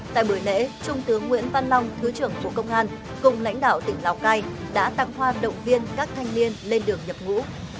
tại buổi lễ trung tướng nguyễn văn long thứ trưởng bộ công an cùng lãnh đạo tỉnh lào cai đã tặng hoa động viên các thanh niên lên đường nhập ngũ